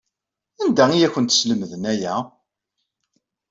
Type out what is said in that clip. Anda ay awent-slemden aya?